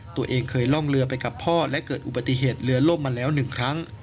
ตัวเองเคยล่องเหลือไปกับพ่อและเกิดอุปติเหตุใช้หน้าเหลือล่มมาแล้ว๑ครั้ง